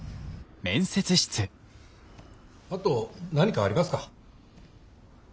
あと何かありますか？